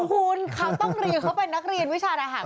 คุณเขาต้องรีเขาเป็นนักเรียนวิชาอาหาร